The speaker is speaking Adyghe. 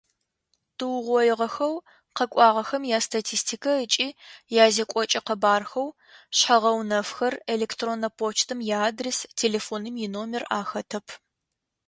Тыугъоигъэхэу къэкӏуагъэхэм ястатистикэ ыкӏи язекӏокӏэ къэбархэу шъхьэ-гъэунэфхэр: электроннэ почтэм иадрес, телефоным иномер ахэтэп.